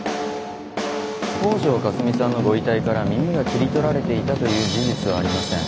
北條かすみさんのご遺体から耳が切り取られていたという事実はありません。